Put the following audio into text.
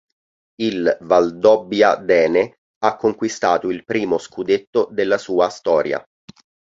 Il Valdobbiadene ha conquistato il primo scudetto della sua storia.